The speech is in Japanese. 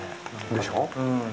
でしょう？